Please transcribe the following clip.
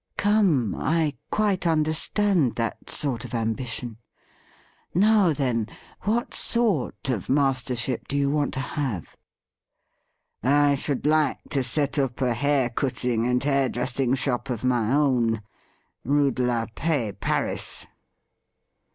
' Come, I quite understand that sort of ambition. Now then, what sort of mastership do you want to have i"' ' I should like to set up a hair cutting and hairdressing shop of my own — ^Rue de la Paix, Paris.'